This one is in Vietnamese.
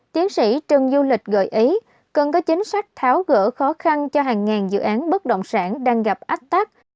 tiến sĩ trần du lịch gợi ý cần có chính sách tháo gỡ khó khăn cho hàng ngàn dự án bất động sản đang gặp ách tắc